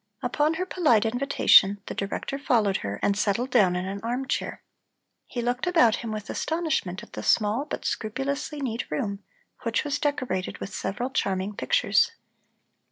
Upon her polite invitation the Director followed her, and settled down in an arm chair. He looked about him with astonishment at the small but scrupulously neat room, which was decorated with several charming pictures.